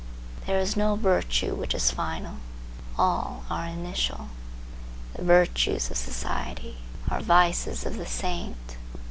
There is no virtue which is final; all are initial. The virtues of society are vices of the saint.